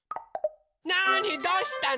なあにどうしたの？